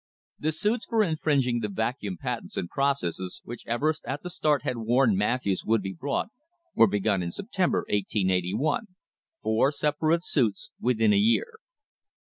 The suits for infringing the Vacuum patents and processes, which Everest at the start had warned Matthews would be brought, were begun in September, 1881 four separate suits within a year.